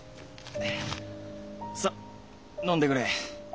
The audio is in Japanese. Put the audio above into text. さっ飲んでくれ。